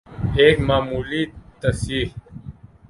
ایک معمولی تصحیح